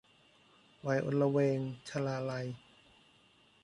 วัยอลเวง - ชลาลัย